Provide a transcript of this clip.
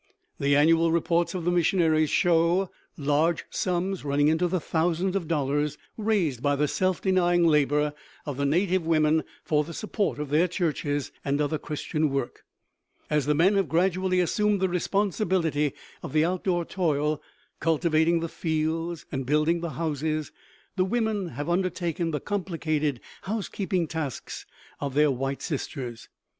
The annual reports of the missionaries show large sums, running into the thousands of dollars, raised by the self denying labor of the native women for the support of their churches and other Christian work. As the men have gradually assumed the responsibility of the outdoor toil, cultivating the fields and building the houses, the women have undertaken the complicated housekeeping tasks of their white sisters.